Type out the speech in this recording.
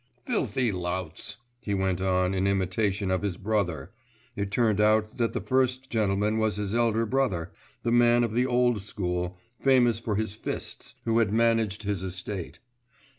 'Filthy louts!' he went on in imitation of his brother (it turned out that the first gentleman was his elder brother, the man of the old school, famous for his fists, who had managed his estate).